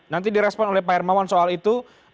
nanti direspon oleh pak hermawan soal itu